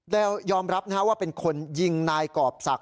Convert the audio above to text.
ยอมรับว่าเป็นคนยิงนายกรอบศักดิ